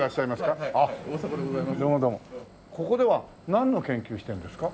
ここではなんの研究してるんですか？